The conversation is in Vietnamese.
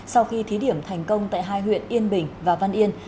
sau khi thí điểm thành công tại hai huyện yên bình và văn yên